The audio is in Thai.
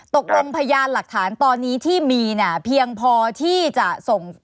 ตกลงพยานหลักฐานตอนนี้ที่มีเพียงพอที่จะส่ง